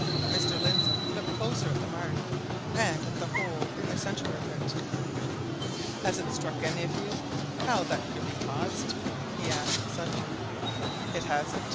Mr. Lindsey looked closer at the mark, and at the hole in the centre of it. "Has it struck any of you how that could be caused?" he asked suddenly. "It hasn't?